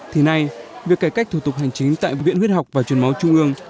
thì nay việc cải cách thủ tục hành chính tại viện huyết học và truyền máu trung ương